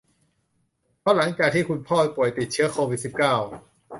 เพราะหลังจากที่คุณพ่อป่วยติดเชื้อโควิด สิบเก้า